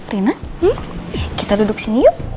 rina kita duduk sini yuk